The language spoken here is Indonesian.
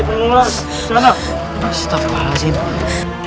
penyakit menengah disana